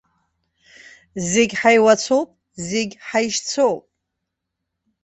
Зегь ҳаиуацәоуп, зегь ҳаишьцәоуп.